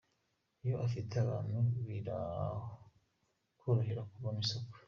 Iyo ufite abantu birakorohera kubona isoko.